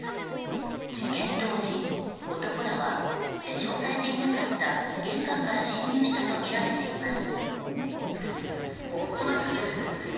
事件当時男らは施錠されていなかった玄関から侵入したとみられています。